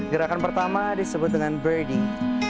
gerakan pertama disebut dengan brading